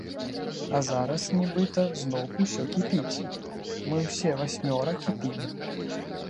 А зараз нібыта зноўку ўсё кіпіць, мы ўсе васьмёра кіпім.